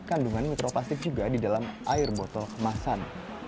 kandungan mikroplastik juga di dalam air botol kemasan